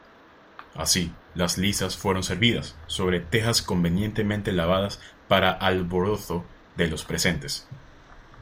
Así, las lisas fueron servidas sobre tejas convenientemente lavadas para alborozo de los presentes.